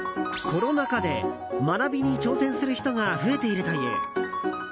コロナ禍で学びに挑戦する人が増えているという。